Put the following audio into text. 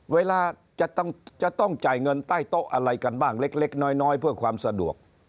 เวลาจะต้องจ่ายเงินใต้โต๊ะอะไรกันบ้างเล็กน้อยเพื่อความสะดวก